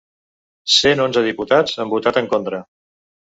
Cent onze diputats han votat en contra.